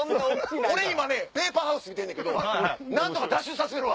俺今『ペーパー・ハウス』見てんねんけど何とか脱出させるわ。